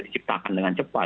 diciptakan dengan cepat ya